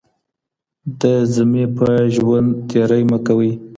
د ذمي په ژوند تېری مه کوئ.